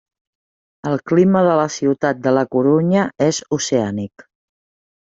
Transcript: El clima de la ciutat de la Corunya és oceànic.